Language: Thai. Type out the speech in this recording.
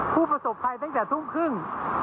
ผู้ประสบภัยตั้งแต่ทุ่มครึ่ง